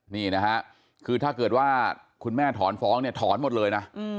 นี่นะฮะคือถ้าเกิดว่าคุณแม่ถอนฟ้องเนี่ยถอนหมดเลยนะ